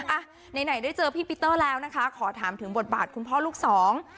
อ่ะไหนไหนได้เจอพี่ปีเตอร์แล้วนะคะขอถามถึงบทบาทคุณพ่อลูกสอง